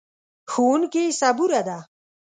ښوونکې صبوره ده.